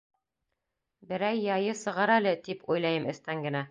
Берәй яйы сығыр әле, тип уйлайым эстән генә.